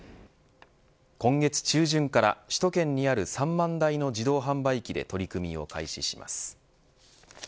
今月中旬から、首都圏にある３万台の自動販売機で取り組みを開始します。